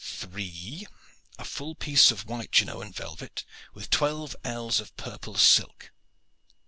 Three a full piece of white Genoan velvet with twelve ells of purple silk.